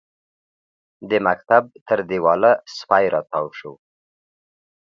د مکتب تر دېواله سپی راتاو شو.